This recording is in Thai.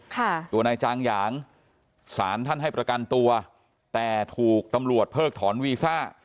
ตัวนายจางหยางสารท่านให้ประกันตัวแต่ถูกตำรวจเพิกถอนวีซ่า